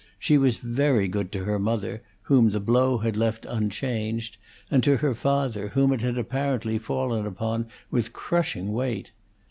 She was very good to her mother, whom the blow had left unchanged, and to her father, whom it had apparently fallen upon with crushing weight.